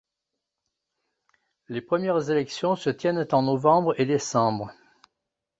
Les premières élections se tiennent en novembre et décembre.